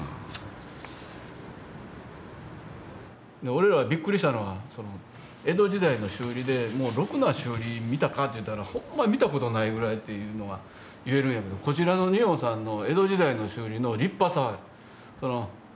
俺らがびっくりしたのは江戸時代の修理でろくな修理見たかっていったらほんま見たことないぐらいっていうのが言えるんやけどこちらの仁王さんの江戸時代の修理の立派さ。